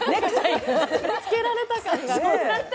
つけられた感が。